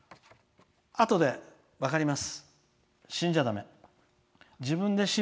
理由は、あとで分かります。